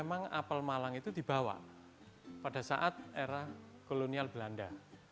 memang apel malang itu dibawa pada saat era kolonial belanda